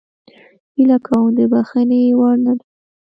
هیله کوم د بخښنې وړ نه ده